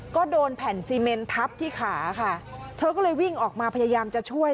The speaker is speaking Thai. ก็โดนแผ่นซีเมนทับที่ขาค่ะเธอก็เลยวิ่งออกมาพยายามจะช่วย